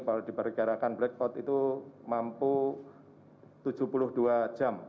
kalau diperkirakan blackpot itu mampu tujuh puluh dua jam